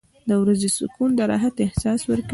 • د ورځې سکون د راحت احساس ورکوي.